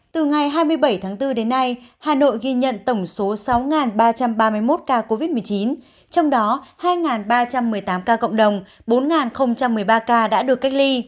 từ ngày hai mươi bảy tháng bốn đến nay hà nội ghi nhận tổng số sáu ba trăm ba mươi một ca covid một mươi chín trong đó hai ba trăm một mươi tám ca cộng đồng bốn một mươi ba ca đã được cách ly